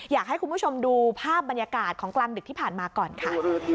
อยากให้คุณผู้ชมดูภาพบรรยากาศของกลางดึกที่ผ่านมาก่อนค่ะ